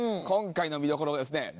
今回の見どころはですね